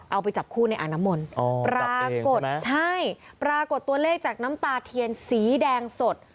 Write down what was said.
เอาไปจับคู่ในอ่างน้ำมนต์ปรากฏใช่ปรากฏตัวเลขจากน้ำตาเทียนสีแดงสด